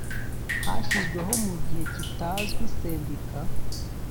hashyizweho mu gihe kitazwi sendika